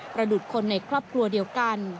ดุษคนในครอบครัวเดียวกัน